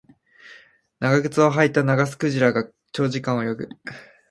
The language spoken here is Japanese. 長靴を履いたナガスクジラが長時間泳ぐ